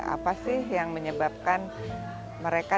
apa sih yang menyebabkan mereka